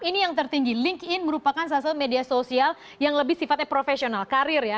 ini yang tertinggi linkedin merupakan salah satu media sosial yang lebih sifatnya profesional karir ya